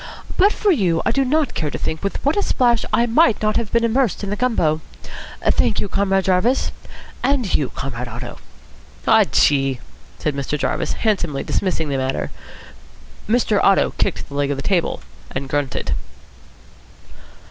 But for you I do not care to think with what a splash I might not have been immersed in the gumbo. Thank you, Comrade Jarvis. And you, Comrade Otto." "Aw chee!" said Mr. Jarvis, handsomely dismissing the matter. Mr. Otto kicked the leg of the table, and grunted.